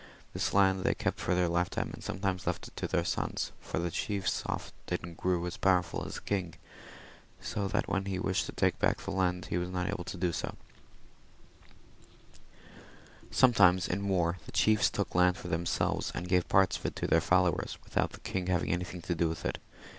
This land they kept for their lifetime, and some times left it to their sons, for the chiefs often grew as powerful as the king, so that when he wished to take back the land he was not able to do so. 18 CONQUEST OF GAUL BY THE FRANKS. [CH Sometimes in war the chiefs took land for themselves, and gave parts of it to their followers without the king having ai^iihing to do with it.